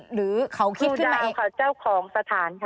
ครูดาวเจ้าของสถานค่ะ